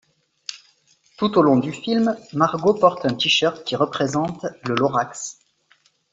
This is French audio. Tout au long du film, Margo porte un T-shirt qui représente le Lorax.